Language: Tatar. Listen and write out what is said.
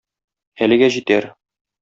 Әлегә җитәр.